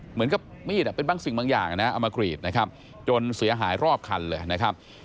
เหมือนกับมีดเป็นบางสิ่งบางอย่างนะเอามากรีดนะครับจนเสียหายรอบคันเลยนะครับ